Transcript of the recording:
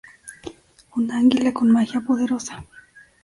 Una anguila con magia poderosa.